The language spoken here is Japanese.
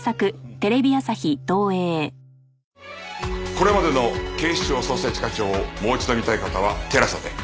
これまでの『警視庁・捜査一課長』をもう一度見たい方はＴＥＬＡＳＡで。